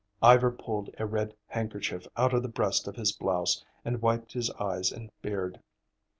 Ivar pulled a red handkerchief out of the breast of his blouse and wiped his eyes and beard.